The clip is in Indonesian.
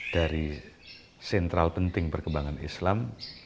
dari sentral penting perkembangan islam